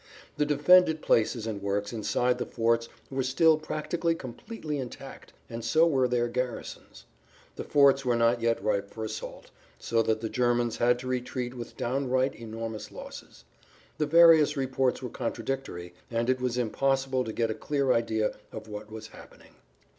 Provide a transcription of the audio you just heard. The defended places and works inside the forts were still practically completely intact, and so were their garrisons. The forts were not yet ripe for assault, so that the Germans had to retreat with downright enormous losses. The various reports were contradictory, and it was impossible to get a clear idea of what was happening.